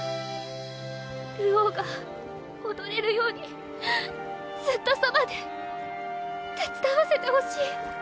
流鶯が踊れるようにずっとそばで手伝わせてほしい。